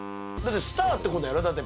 スターってことやろ、だって。